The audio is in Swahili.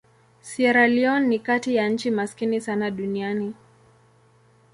Sierra Leone ni kati ya nchi maskini sana duniani.